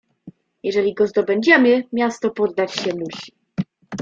"Jeżeli go zdobędziemy, miasto poddać się musi."